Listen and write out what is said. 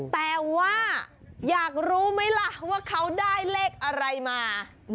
แต่ว่าอยากรู้ไหมล่ะว่าเขาได้เลขอะไรมา